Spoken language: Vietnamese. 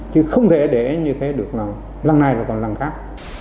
chứ không thể để như thế được lần này hoặc lần khác